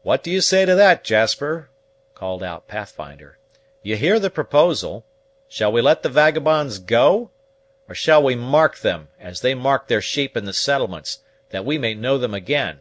"What do you say to that, Jasper?" called out Pathfinder. "You hear the proposal. Shall we let the vagabonds go? Or shall we mark them, as they mark their sheep in the settlements, that we may know them again?"